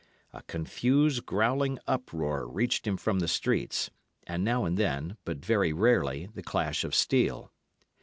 A confused, growling uproar reached him from the streets, and now and then, but very rarely, the clash of steel.